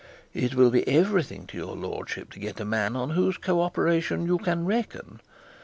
'It will be everything to your lordship to get a man on whose co operation you can reckon.